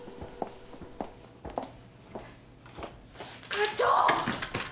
課長！